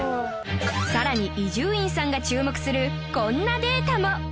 更に伊集院さんが注目するこんなデータも